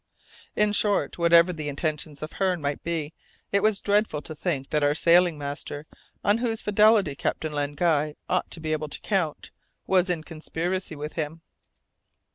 In short, whatever the intentions of Hearne might be, it was dreadful to think that our sailing master, on whose fidelity Captain Len Guy ought to be able to count, was in conspiracy with him.